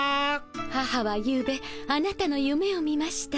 母は夕べあなたのゆめを見ました。